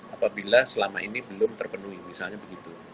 apabila selama ini belum terpenuhi misalnya begitu